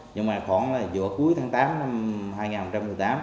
nhưng mà khoảng là giữa cuối tháng tám năm hai nghìn một mươi tám